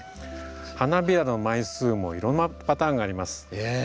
花びらの枚数もいろんなパターンがあります。